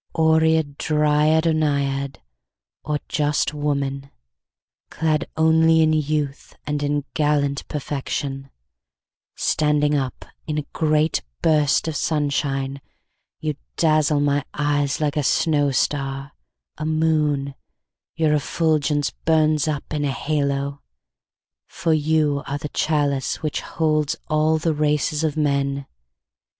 Oread, Dryad, or Naiad, or justWoman, clad only in youth and in gallant perfection, Standing up in a great burst of sunshine, you dazzle my eyesLike a snow star, a moon, your effulgence burns up in a halo, For you are the chalice which holds all the races of men.